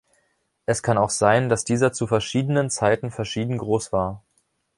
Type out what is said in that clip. Es kann auch sein, dass dieser zu verschiedenen Zeiten verschieden groß war.